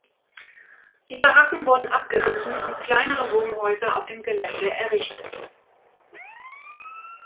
Die Baracken wurden abgerissen und kleinere Wohnhäuser auf dem Gelände errichtet.